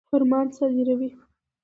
فرمان صادروي.